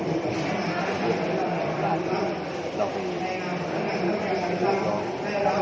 มันกลายรวมกันตั้งแต่พาหลังราศาสตร์